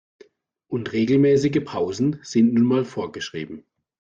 Und regelmäßige Pausen sind nun mal vorgeschrieben.